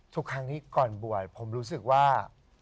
ทุกครั้งที่ก่อนบวชผมรู้สึกว่า